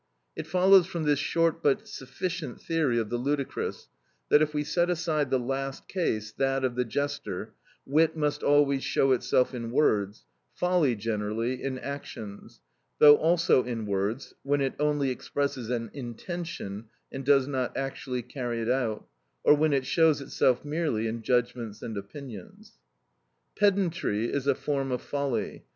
It follows from this short but sufficient theory of the ludicrous, that, if we set aside the last case, that of the jester, wit must always show itself in words, folly generally in actions, though also in words, when it only expresses an intention and does not actually carry it out, or when it shows itself merely in judgments and opinions. Pedantry is a form of folly.